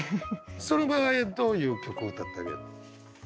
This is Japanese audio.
その場合はどういう曲を歌ってあげるの？